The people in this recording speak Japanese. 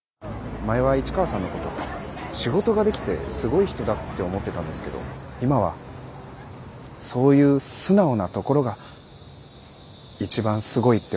前は市川さんのこと仕事ができてすごい人だって思ってたんですけど今はそういう素直なところが一番すごいって思います。